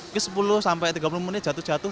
mungkin sepuluh sampai tiga puluh menit jatuh jatuh